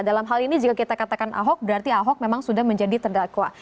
dalam hal ini jika kita katakan ahok berarti ahok memang sudah menjadi terdakwa